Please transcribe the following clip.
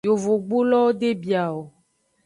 Yovogbulowo de bia o.